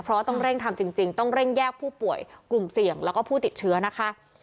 เพราะว่าต้องเร่งทำจริงต้องเร่งแยกผู้ป่วยกลุ่มเสี่ยงแล้วก็ผู้ติดเชื้อนะคะ